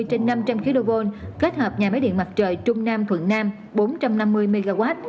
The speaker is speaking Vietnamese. trạm biến áp năm trăm linh kv và đường dây hai trăm hai mươi kv kết hợp với nhà máy điện mặt trời trung nam thuận nam bốn trăm năm mươi mw